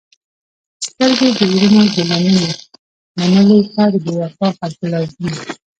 سترګې د زړه نه ګېله منې، منلې تا د بې وفاء خلکو لوظونه